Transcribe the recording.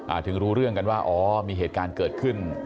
ถึงรู้เรื่องกันว่าอ๋อมีเหตุการณ์เกิดขึ้น